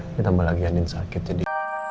kita malah lagi angin sakit jadi